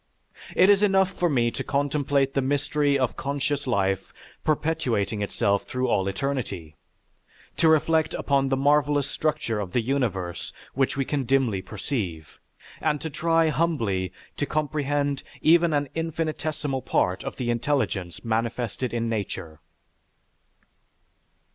It is enough for me to contemplate the mystery of conscious life perpetuating itself through all eternity, to reflect upon the marvelous structure of the universe which we can dimly perceive, and to try humbly to comprehend even an infinitesimal part of the intelligence manifested in nature.